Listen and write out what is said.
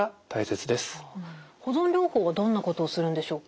保存療法はどんなことをするんでしょうか？